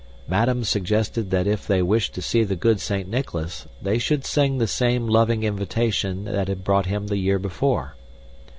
Madame suggested that if they wished to see the good Saint Nicholas, they should sing the same loving invitation that had brought him the year before.